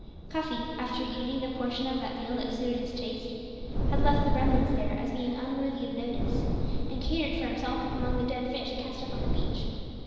Cuffy, after eating the portion of that meal that suited his taste, had left the remnants there as being unworthy of notice, and catered for himself among the dead fish cast up on the beach.